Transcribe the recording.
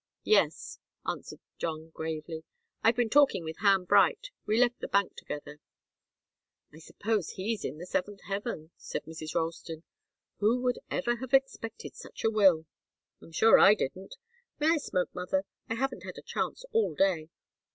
"Yes," answered John, gravely. "I've been talking with Ham Bright we left the bank together." "I suppose he's in the seventh heaven," said Mrs. Ralston. "Who would ever have expected such a will?" "I'm sure I didn't. May I smoke, mother? I haven't had a chance all day."